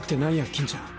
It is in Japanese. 金ちゃん。